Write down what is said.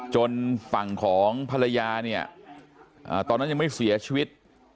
จนฝั่งของภรรยาเนี่ยตอนนั้นยังไม่เสียชีวิต